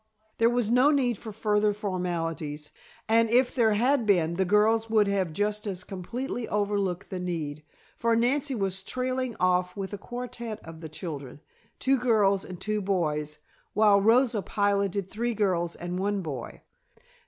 There was no need for further formalities, and if there had been the girls would have just as completely overlooked the need, for Nancy was trailing off with a quartette of the children, two girls and two boys, while Rosa piloted three girls and one boy.